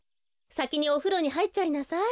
さきにおふろにはいっちゃいなさい。